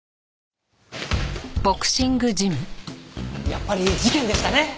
やっぱり事件でしたね！